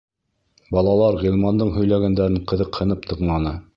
Балалар Ғилмандың һөйләгәндәрен ҡыҙыҡһынып тыңланы.